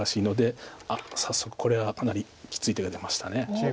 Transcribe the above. あっ早速これはかなりきつい手が出ました。